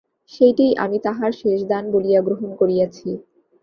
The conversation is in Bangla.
সেইটেই আমি তাঁহার শেষদান বলিয়া গ্রহণ করিয়াছি।